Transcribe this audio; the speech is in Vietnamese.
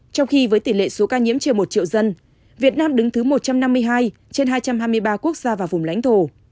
trong khi với tỷ lệ số ca nhiễm chiều một triệu dân việt nam đứng thứ một trăm năm mươi hai trên hai trăm hai mươi ba quốc gia và vùng lãnh thổ